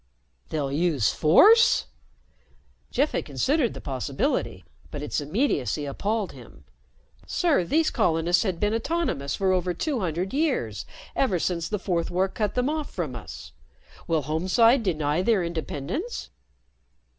"They'll use force?" Jeff had considered the possibility, but its immediacy appalled him. "Sir, these colonists had been autonomous for over two hundred years, ever since the Fourth War cut them off from us. Will Homeside deny their independence?"